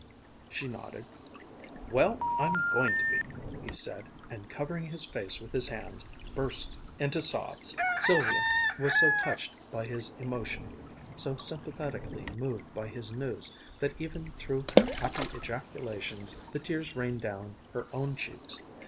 She nodded. "Well, I'm going to be," he said, and covering his face with his hands, burst into sobs. Sylvia was so touched by his emotion, so sympathetically moved by his news, that even through her happy ejaculations the tears rained down her own cheeks.